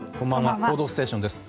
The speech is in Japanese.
「報道ステーション」です。